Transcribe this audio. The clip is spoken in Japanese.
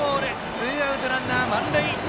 ツーアウト、ランナー満塁。